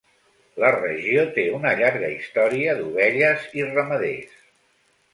La regió té una llarga història d'ovelles i ramaders.